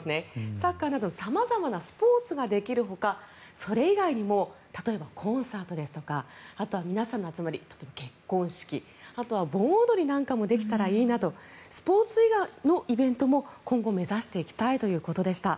サッカーなど様々なスポーツができるほかそれ以外にも例えばコンサートですとかあとは皆さんの集まり結婚式、あとは盆踊りなんかもできたらいいなとスポーツ以外のイベントも今後目指していきたいということでした。